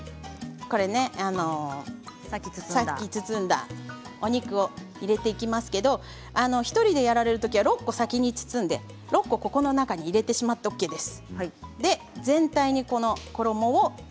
さっき包んだお肉を入れていきますけれど１人でやられるときは６個先に包んで６個ここの中に入れてしまってＯＫです。